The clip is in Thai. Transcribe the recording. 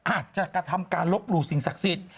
อาจจะกระทำการลบหลู่สิ่งศักดิ์สิทธิ์